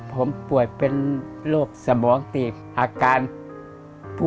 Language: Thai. ผมป่วยเป็นโรคสมองตีบอาการปวด